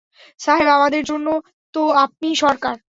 সাহেব, আমাদের জন্য তো আপনিই সরকার।